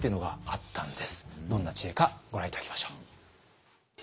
どんな知恵かご覧頂きましょう。